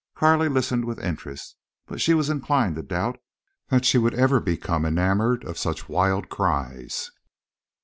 Carley listened with interest, but she was inclined to doubt that she would ever become enamoured of such wild cries.